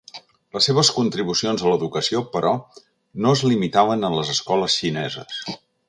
Les seves contribucions a l'educació, però, no es limitaven a les escoles xineses.